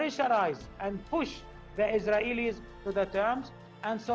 dan jadi kita terlepas dengan satu satunya pilihan yaitu untuk menyerang